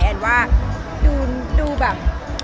แอนว่าดูแบบ